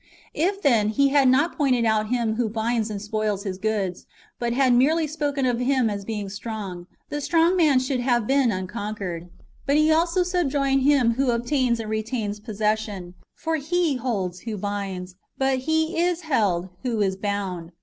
^ If, then, he had not pointed out Him who binds and spoils his goods, but had merely spoken of him as being strong, the strong man should have been unconquered. But he also subjoined Him who obtains and retains possession ; for he holds who binds, but he is held who is bound.